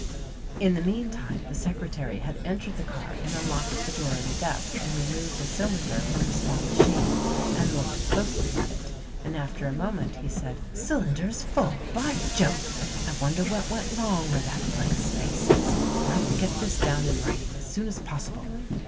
In the meantime the secretary had entered the car and unlocked the drawer in the desk and removed a cylinder from the small machine and looked closely at it, and after a moment he said, "Cylinder is full. By Jove! I wonder what went wrong where that blank space is. I'll have to get this down in writing as soon as possible."